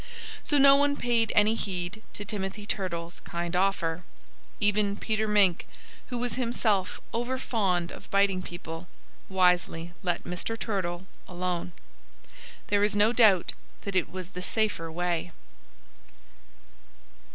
So no one paid any heed to Timothy Turtle's kind offer. Even Peter Mink, who was himself overfond of biting people, wisely let Mr. Turtle alone. There is no doubt that it was the safer way.